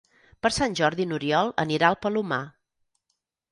Per Sant Jordi n'Oriol anirà al Palomar.